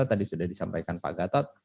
tadi sudah disampaikan pak gatot